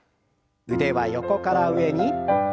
腕は横から上に。